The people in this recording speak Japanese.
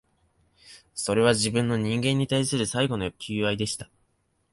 それは、自分の、人間に対する最後の求愛でした